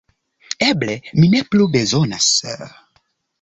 Eble mi ne plu bezonas…